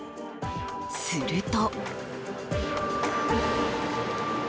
すると。